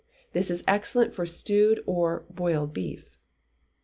This is excellent for stewed or boiled beef.